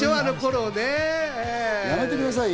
やめてくださいよ！